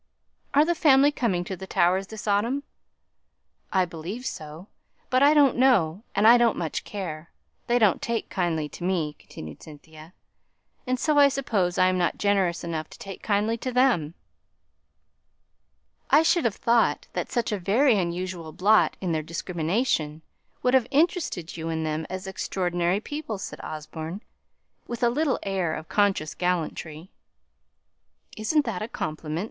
"Are the family coming to the Towers this autumn?" "I believe so. But I don't know, and I don't much care. They don't take kindly to me," continued Cynthia, "and so I suppose I'm not generous enough to take kindly to them." "I should have thought that such a very unusual blot in their discrimination would have interested you in them as extraordinary people," said Osborne, with a little air of conscious gallantry. "Isn't that a compliment?"